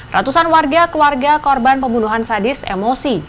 ratusan warga keluarga korban pembunuhan sadis emosi